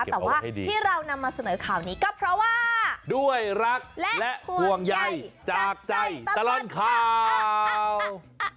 แต่ว่าที่เรานำมาเสนอข่าวนี้ก็เพราะว่าด้วยรักและห่วงใยจากใจตลอดข่าว